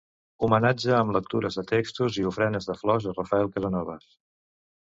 Homenatge amb lectures de textos i ofrenes de flors a Rafael Casanova.